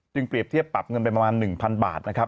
เปรียบเทียบปรับเงินไปประมาณ๑๐๐บาทนะครับ